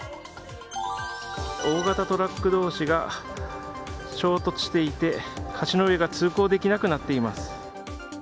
大型トラック同士が衝突していて橋の上が通行できなくなっています。